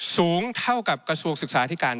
สูงเท่ากับกระทรวงศึกษาที่การ